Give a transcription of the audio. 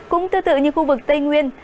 cũng tư tự như khu vực tây nguyên